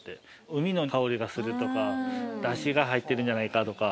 海の香りがするとか、だしが入ってるんじゃないかとか。